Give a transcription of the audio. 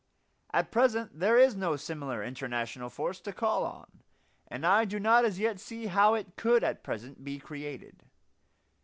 At present there is no similar international force to call on, and I do not as yet see how it could at present be created.